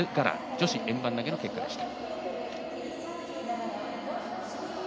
女子円盤投げの結果でした。